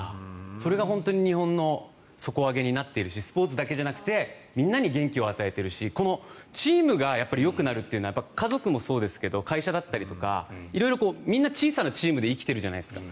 それが本当に日本の底上げになってますしスポーツだけじゃなくてみんなに元気を与えているしチームがよくなるというのは家族もそうですけど会社だったりとかみんな小さなチームで生きてるじゃないですか。